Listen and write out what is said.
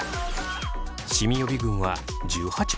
シミ予備軍は１８％。